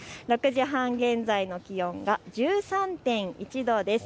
６時半現在の気温が１３．１度です。